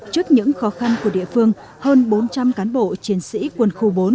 trước những khó khăn của địa phương hơn bốn trăm linh cán bộ chiến sĩ quân khu bốn